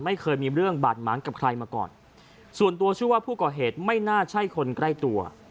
ไม่เคยมีเรื่องบาดหมางกับใครมาก่อนส่วนตัวชื่อว่าผู้ก่อเหตุไม่น่าใช่คนใกล้ตัว